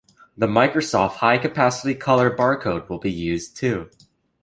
The Microsoft High Capacity Color Barcode will be used too.